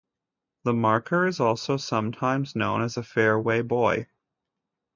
The marker is also sometimes known as a Fairway Buoy.